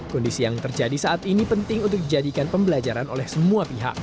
kondisi yang terjadi saat ini penting untuk dijadikan pembelajaran oleh semua pihak